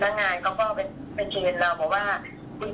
แล้วบอกว่าแล้วเราไม่เห็นเขียนชื่นป้ายอะไรไว้เลย